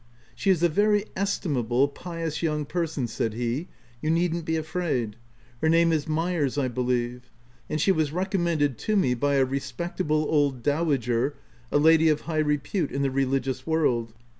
" She is a very estimable, pious young per son," said he ;" you needn't be afraid. Her name is Myers, I believe ; and she was recom mended to me by a respectable old dowager — a lady of high repute in the religious world.